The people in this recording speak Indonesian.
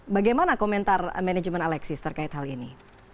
bagaimana komentar manajemen alexis terkait hal ini